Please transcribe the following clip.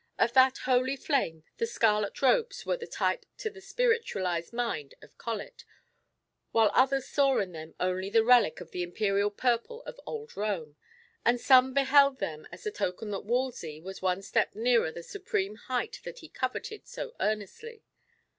Of that holy flame, the scarlet robes were the type to the spiritualised mind of Colet, while others saw in them only the relic of the imperial purple of old Rome; and some beheld them as the token that Wolsey was one step nearer the supreme height that he coveted so earnestly.